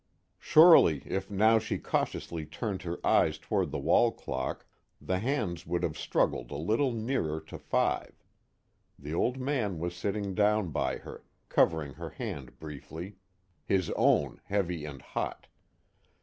Surely if now she cautiously turned her eyes toward the wall clock, the hands would have struggled a little nearer to five. The Old Man was sitting down by her, covering her hand briefly, his own heavy and hot.